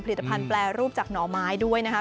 ภัณฑแปรรูปจากหน่อไม้ด้วยนะคะ